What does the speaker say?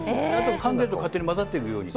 かんでいると勝手に混ざっているように。